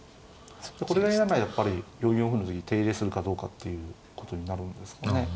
これが嫌ならやっぱり４四歩の時手入れするかどうかっていうことになるんですかね。